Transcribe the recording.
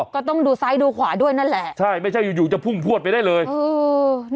ก็ต้องดูซ้ายดูขวาด้วยนั่นแหละใช่ไม่ใช่อยู่อยู่จะพุ่งพวดไปได้เลยเออ